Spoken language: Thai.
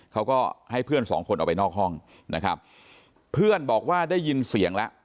เขาก็ให้เพื่อนสองคนออกไปนอกห้องนะครับเพื่อนบอกว่าได้ยินเสียงแล้ว